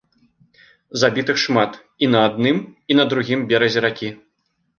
Забітых шмат і на адным і на другім беразе ракі.